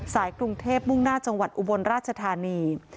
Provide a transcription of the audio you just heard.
กรุงเทพมุ่งหน้าจังหวัดอุบลราชธานี